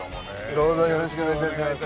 どうぞよろしくお願い致します。